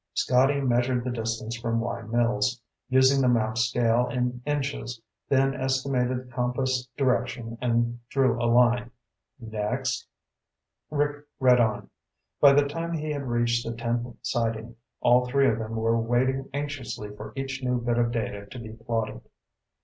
Scotty measured the distance from Wye Mills, using the map scale in inches, then estimated the compass direction and drew a line. "Next." Rick read on. By the time he had reached the tenth sighting, all three of them were waiting anxiously for each new bit of data to be plotted.